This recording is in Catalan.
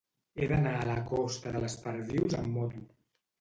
He d'anar a la costa de les Perdius amb moto.